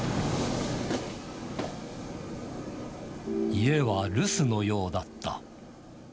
家は留守のようだった。